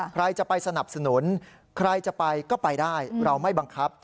ใครจะไปสนับสนุนใครจะไปก็ไปได้เราไม่บังคับ